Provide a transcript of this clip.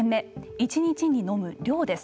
１日に飲む量です。